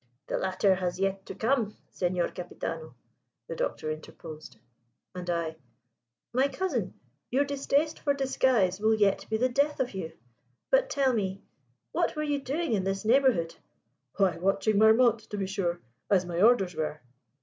"The latter has yet to come, Senor Capitano," the Doctor interposed. And I: "My cousin, your distaste for disguise will yet be the death of you. But tell me, what were you doing in this neighbourhood?" "Why, watching Marmont, to be sure, as my orders were."